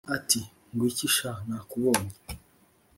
ati"ngwiki sha nakubonye"